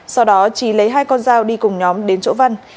sau đó trí lấy hai con dao đi cùng nhóm đến chỗ văn